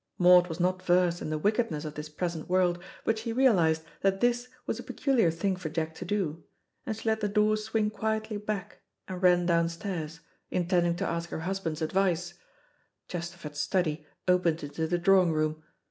Maud was not versed in the wickedness of this present world, but she realised that this was a peculiar thing for Jack to do, and she let the door swing quietly back, and ran downstairs, intending to ask her husband's advice. Chesterford's study opened into the drawing room.